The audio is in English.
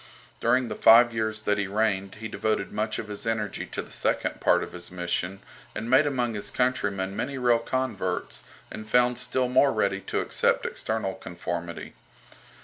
During the five years that he reigned he devoted much of his energy to the second part of his mission, and made among his countrymen many real converts, and found still more ready to accept external conformity.